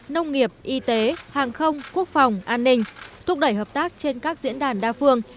nông nghiệp y tế hàng không quốc phòng an ninh thúc đẩy hợp tác trên các diễn đàn đa phương